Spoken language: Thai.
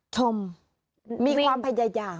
ชมมีความไปยาว